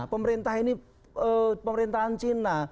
pemerintah ini pemerintahan cina